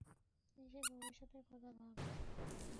নিজের ভবিষ্যতের কথা ভাব।